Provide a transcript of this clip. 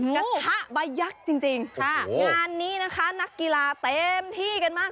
กระทะใบยักษ์จริงค่ะงานนี้นะคะนักกีฬาเต็มที่กันมาก